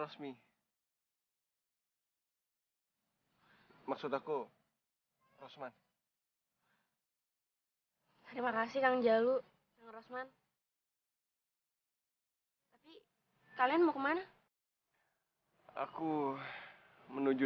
siapa perempuan itu